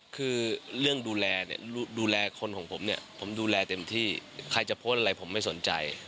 คือเรื่องดูแลเนี่ยดูแลดูแลคนของผมเนี่ยผมดูแลเต็มที่ใครจะโพสต์อะไรผมไม่สนใจ